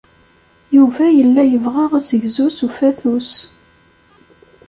Yuba yella yebɣa assegzu s ufatus.